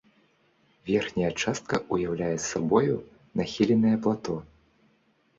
Верхняя частка ўяўляе сабою нахіленае плато.